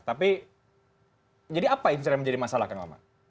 tapi jadi apa itu yang menjadi masalah kang oman